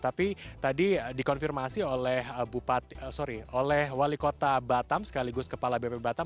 tapi tadi dikonfirmasi oleh wali kota batam sekaligus kepala bp batam